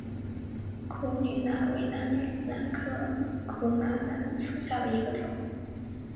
苦槛蓝为苦槛蓝科苦槛蓝属下的一个种。